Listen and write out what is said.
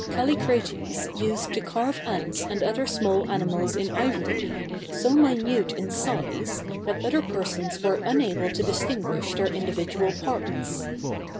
Callicrates used to carve ants and other small animals in ivory, so minute in size, that other persons were unable to distinguish their individual parts.